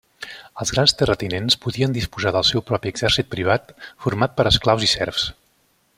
Els grans terratinents podien disposar del seu propi exèrcit privat, format per esclaus i serfs.